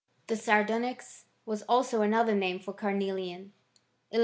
The sardonyx was also another name for camelian, 1 1